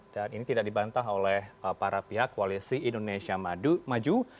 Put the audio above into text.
dan ini tidak dibantah oleh para pihak koalisi indonesia maju